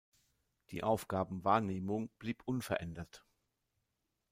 Die Aufgabenwahrnehmung blieb unverändert.